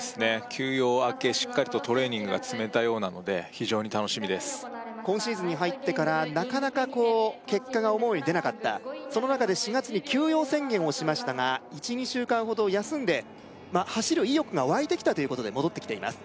休養明けしっかりとトレーニングが積めたようなので非常に楽しみです今シーズンに入ってからなかなかこう結果が思うように出なかったその中で４月に休養宣言をしましたが１２週間ほど休んでまあ走る意欲が湧いてきたということで戻ってきています